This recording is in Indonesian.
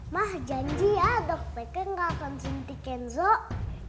ma janji ya dokternya gak akan suntikin zul